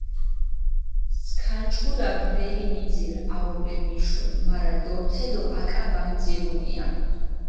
სქანიჯგუა ბრელი მიძირჷ აურე მიშუნ, მარა დორთელო აკა ვამიძირუნია.